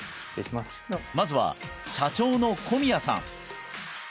まずは社長のコミヤさん